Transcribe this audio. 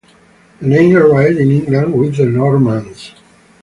The name arrived in England with the Normans.